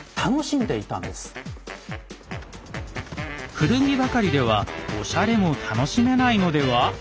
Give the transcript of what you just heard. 古着ばかりではおしゃれも楽しめないのでは？